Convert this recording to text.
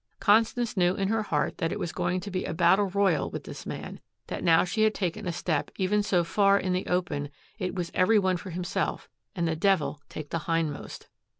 Constance knew in her heart that it was going to be a battle royal with this man, that now she had taken a step even so far in the open it was every one for himself and the devil take the hindmost.